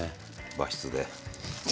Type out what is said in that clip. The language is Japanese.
和室で。